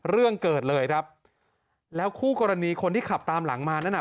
เรื่องเกิดเลยครับแล้วคู่กรณีคนที่ขับตามหลังมานั่นน่ะ